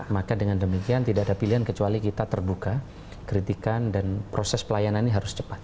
maka dengan demikian tidak ada pilihan kecuali kita terbuka kritikan dan proses pelayanan ini harus cepat